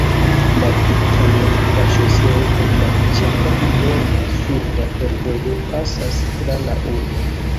La Tut-Amerika Ŝoseo kaj la ĉefa norda-suda fervojo pasas tra la urbo.